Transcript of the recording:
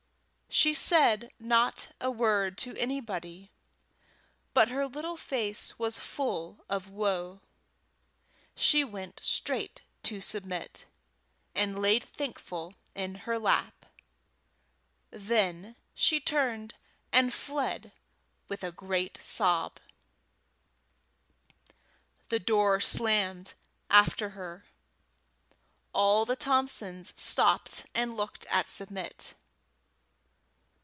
She said not a word to anybody, but her little face was full of woe. She went straight to Submit, and laid Thankful in her lap; then she turned and fled with a great sob. The door slammed after her. All the Thompsons stopped and looked at Submit.